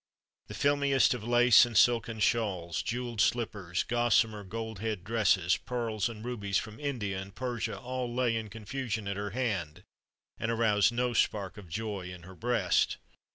The filmiest of lace and silken shawls, jeweled slippers, gossamer gold head dresses, pearls and rubies from India and Persia all lay in confusion at her hand, and aroused no spark of joy in her breast.